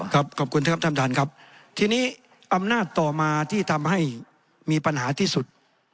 ขอบคุณนะครับท่านท่านครับทีนี้อำนาจต่อมาที่ทำให้มีปัญหาที่สุด